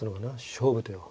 勝負手を。